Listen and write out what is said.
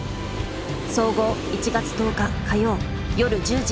総合１月１０日火曜夜１０時。